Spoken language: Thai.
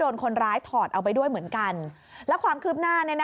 แล้วความคืบหน้า